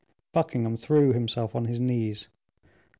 Buckingham threw himself on his knees.